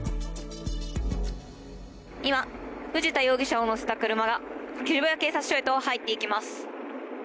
藤田容疑者を乗せた車が渋谷警察署へと入っていきます。